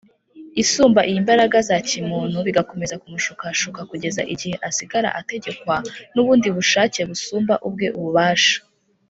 isumba iy’imbaraga za kimuntu, bigakomeza kumushukashuka kugeza igihe asigara ategekwa n’ubundi bushake busumbya ubwe ububasha